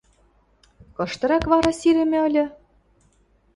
– Кыштырак вара сирӹмӹ ыльы?